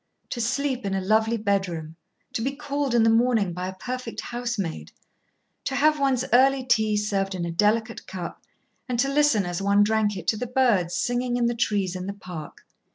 To sleep in a lovely bedroom, to be called in the morning by a perfect housemaid, to have one's early tea served in a delicate cup, and to listen as one drank it to the birds singing in the trees in the park!